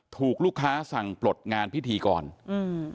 ถูกลูกค้าสั่งปลดงานพิธีกรอืม